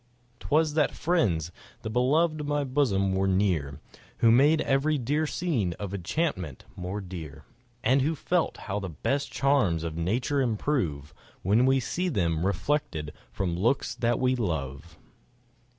'Twas that friends, the beloved of my bosom, were near, Who made every dear scene of enchantment more dear, And who felt how the best charms of nature improve, When we see them reflected from looks that we love.